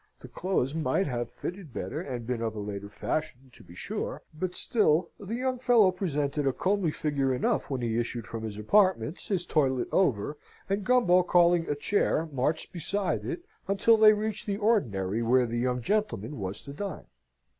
The clothes might have fitted better and been of a later fashion, to be sure but still the young fellow presented a comely figure enough when he issued from his apartments, his toilet over; and Gumbo calling a chair, marched beside it, until they reached the ordinary where the young gentleman was to dine.